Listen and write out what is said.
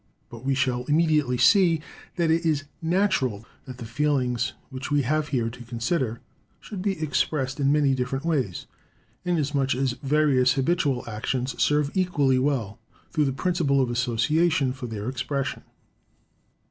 But we shall immediately see that it is natural that the feelings which we have here to consider should be expressed in many different ways, inasmuch as various habitual actions serve equally well, through the principle of association, for their expression.